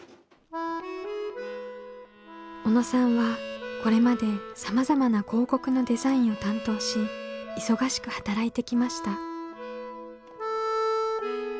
小野さんはこれまでさまざまな広告のデザインを担当し忙しく働いてきました。